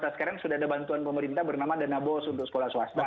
sekarang sudah ada bantuan pemerintah bernama dana bos untuk sekolah swasta